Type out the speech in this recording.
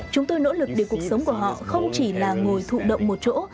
chúng tôi nỗ lực để cuộc sống của họ không chỉ là ngồi thụ động một chỗ